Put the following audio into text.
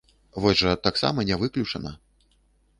Вось жа, таксама не выключана.